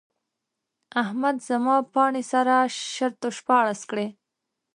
احمد زما پاڼې سره شرت او شپاړس کړې.